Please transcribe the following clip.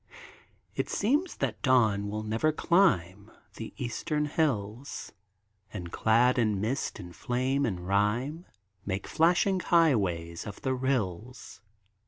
It seems that dawn will never climb The eastern hills; And, clad in mist and flame and rime, Make flashing highways of the rills.